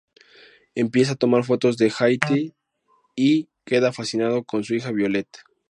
Empieza a tomar fotos de Hattie y queda fascinado con su hija Violet.